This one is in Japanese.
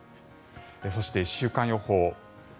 そして１週間予報。